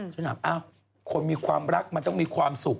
ฉันถามคนมีความรักมันต้องมีความสุข